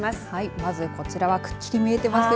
まず、こちらはくっきり見えていますよ。